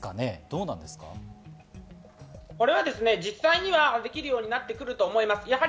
これは実際にできるようになってくるようになると思います。